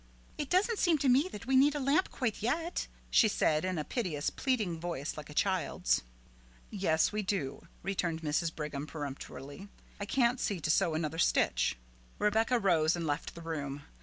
"It doesn't seem to me that we need a lamp quite yet," she said in a piteous, pleading voice like a child's. "Yes, we do," returned Mrs. Brigham peremptorily. "I can't see to sew another stitch." Rebecca rose and left the room.